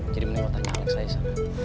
jadi menikmati anak saya sama dia